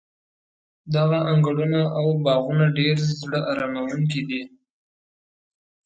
دغه انګړونه او باغونه ډېر زړه اراموونکي دي.